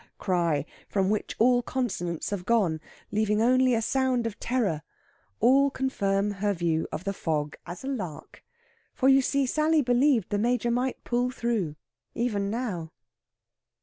cry from which all consonants have gone, leaving only a sound of terror, all confirm her view of the fog as a lark. For, you see, Sally believed the Major might pull through even now.